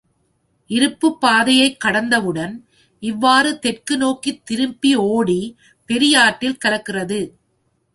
இருப்புப் பாதையைக் கடந்தவுடன் இவ்வாறு தெற்கு நோக்கித் திரும்பியோடிப் பெரியாற்றில் கலக்கிறது.